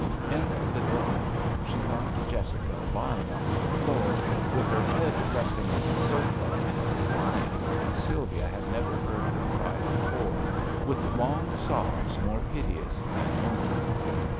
In the drawing room she found Jessica lying upon the floor with her head resting on the sofa, crying as Sylvia had never heard her cry before, with long sobs more piteous than moaning.